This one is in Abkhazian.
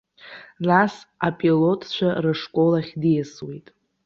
Нас апилотцәа рышкол ахь диасуеит.